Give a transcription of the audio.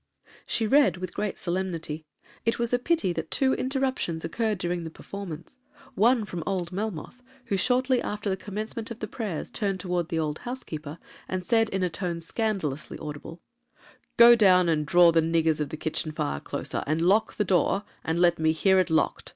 She read with great solemnity,—it was a pity that two interruptions occurred during the performance, one from old Melmoth, who, shortly after the commencement of the prayers, turned towards the old housekeeper, and said, in a tone scandalously audible, 'Go down and draw the niggers of the kitchen fire closer, and lock the door, and let me hear it locked.